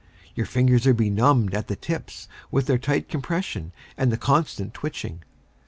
Your fingers are benumbed at the tips with their tight compression, and the constant twitching.